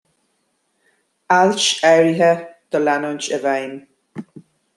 Ailt áirithe do leanúint i bhfeidhm.